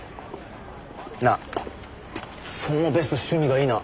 なあそのベスト趣味がいいな。